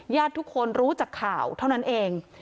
ทุกคนรู้จากข่าวเท่านั้นเอง